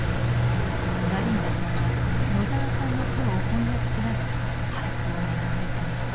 ガリーナさんは野澤さんの句を翻訳しながら俳句を学んできました。